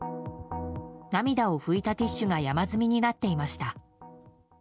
涙を拭いたティッシュが山積みになっていました。